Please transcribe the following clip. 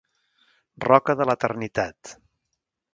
Roca de l'eternitat.